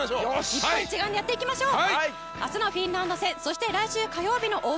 日本一丸でやっていきましょう。